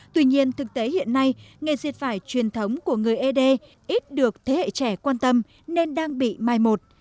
tuy nhiên thực tế hiện nay nghề diệt vải truyền thống của người ế đê ít được thế hệ trẻ quan tâm nên đang bị mai một